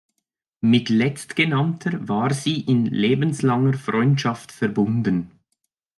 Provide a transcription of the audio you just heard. Mit letztgenannter war sie in lebenslanger Freundschaft verbunden.